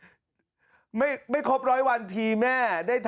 แถลงการแนะนำพระมหาเทวีเจ้าแห่งเมืองทิพย์